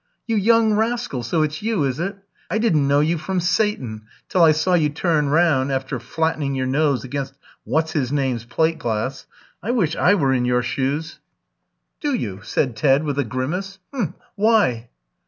"You young rascal! so it's you, is it? I didn't know you from Satan, till I saw you turn round after flattening your nose against what's his name's plate glass. I wish I were in your shoes." "Do you?" said Ted, with a grimace. "H'm. Why?"